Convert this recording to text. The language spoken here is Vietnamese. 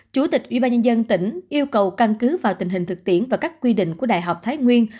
chủ tịch ubnd tỉnh yêu cầu căn cứ vào tình hình thực tiễn và các quy định của đại học thái nguyên